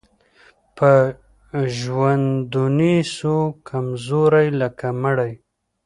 په ژوندوني سو کمزوری لکه مړی